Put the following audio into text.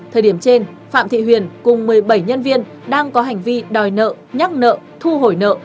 thời điểm trên phạm thị huyền cùng một mươi bảy nhân viên đang có hành vi đòi nợ nhắc nợ thu hồi nợ